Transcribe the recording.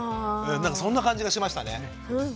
なんかそんな感じがしましたね。